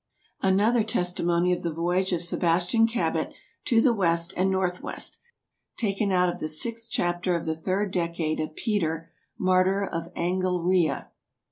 Another testimonie of the voyage of Sebastian Cabot to the West and Northwest, taken out of the sixt Chapter of the third Decade of Peter Martyr of Angleria.